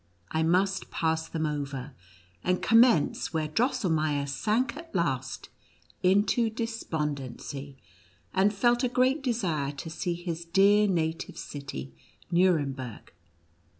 I must pass them over, and com mence where Drosselmeier sank at last into despondency, and felt a great desire to see his dear native city, Nuremburg.